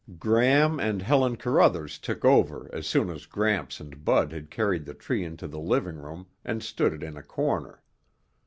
Gram and Helen Carruthers took over as soon as Gramps and Bud had carried the tree into the living room and stood it in a corner.